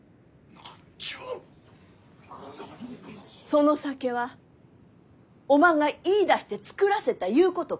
その酒はおまんが言いだして造らせたゆうことか？